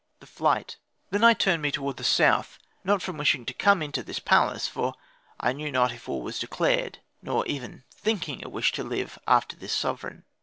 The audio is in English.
THE FLIGHT Then I turned me toward the south, not from wishing to come into this palace for I knew not if war was declared nor even thinking a wish to live after this sovereign.